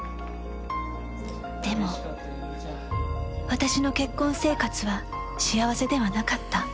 でも私の結婚生活は幸せではなかった